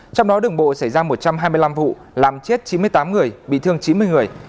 trong đó đường bộ xảy ra một trăm hai mươi năm vụ làm chết chín mươi tám người bị thương chín mươi người